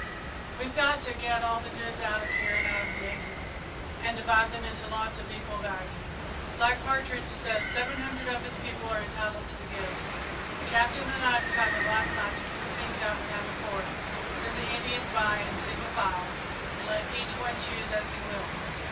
"We've got to get all the goods out of here and out of the Agency, and divide them into lots of equal value. Black Partridge says seven hundred of his people are entitled to the gifts. The Captain and I decided last night to put the things out behind the Fort, send the Indians by in single file, and let each one choose as he will.